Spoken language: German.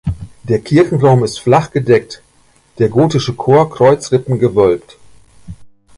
Der Kirchenraum ist flach gedeckt, der gotische Chor kreuzrippengewölbt.